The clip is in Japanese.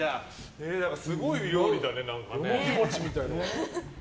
すごい料理だね。